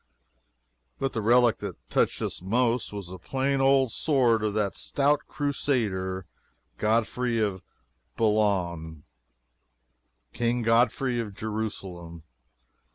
But the relic that touched us most was the plain old sword of that stout Crusader, Godfrey of Bulloigne King Godfrey of Jerusalem.